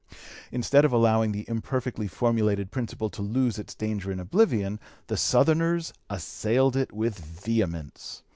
Instead of allowing the imperfectly formulated principle to lose its danger in oblivion, the Southerners assailed it with vehemence.